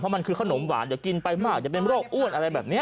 เพราะมันคือขนมหวานอย่ากินไปมากจะเป็นโรคอ้วนอะไรแบบเนี้ย